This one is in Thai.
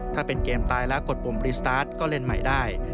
ถ้าเป็นเกมตายแล้วกดปุ่มรีสตาร์ทก็เล่นใหม่ได้